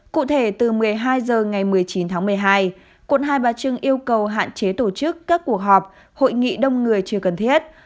cụ thể từ một mươi hai h ngày một mươi chín tháng một mươi hai quận hai bà trưng yêu cầu hạn chế tổ chức các cuộc họp hội nghị đông người chưa cần thiết